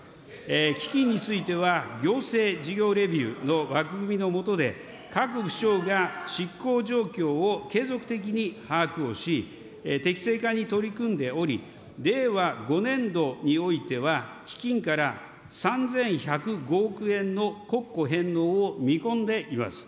基金については、行政事業レビューの枠組みの下で、各府省が執行状況を継続的に把握をし、適正化に取り組んでおり、令和５年度においては基金から３１０５億円の国庫返納を見込んでいます。